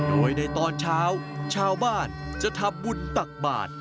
โดยในตอนเช้าชาวบ้านจะทำบุญตักบาท